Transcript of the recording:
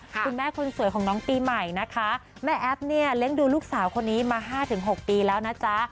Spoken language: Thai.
คุณแม่คนสวยของน้องปีใหม่นะคะแม่แอ๊บเนี่ยเลี้ยงดูลูกสาวคนนี้มา๕๖ปีแล้วนะจ๊ะ